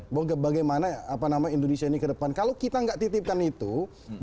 bogep bagaimana apa nama indonesia ini ke depan kalau kita enggak titipkan itu jadi kita harus mencari